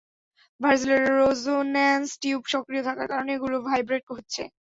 ভার্জিলের resonance tube সক্রিয় থাকার কারণে এগুলো ভাইব্রেট হচ্ছে!